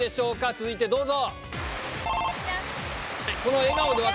続いてどうぞ！